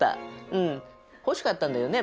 欲しかったんだよね